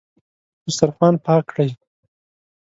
دسترخوان پاک کړئ